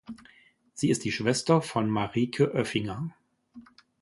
Sie ist die Schwester von Marieke Oeffinger.